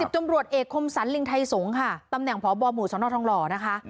๑๐ตำรวจเอกคมสรรหลิงไทสงค่ะตำแหน่งพบหมูทรทหลนะคะ